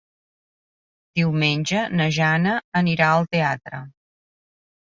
Diumenge na Jana anirà al teatre.